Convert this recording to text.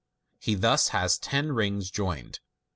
He thus has ten rings joined.